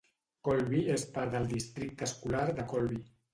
Colby és part del districte escolar de Colby.